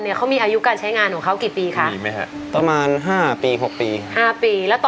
ใส่ขาพปอมมันทั้งหมดกี่ปีคุณพ่อค่ะ